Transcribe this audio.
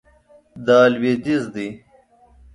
دا لویدیځ دی